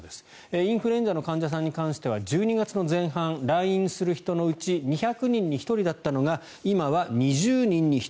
インフルエンザの患者さんに関しては、１２月前半来院する人のうち２００人に１人だったのが今は２０人に１人。